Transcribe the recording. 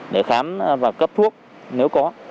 để khám và cấp thuốc nếu có